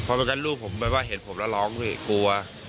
เพราะเหมือนกันลูกผมเห็นผมแล้วร้องพี่กลัว